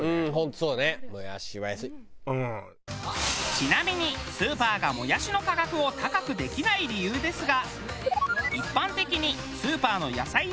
ちなみにスーパーがもやしの価格を高くできない理由ですが。